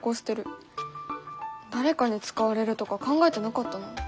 誰かに使われるとか考えてなかったな。